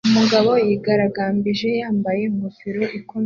Umugabo yigaragambije yambaye ingofero ikomeye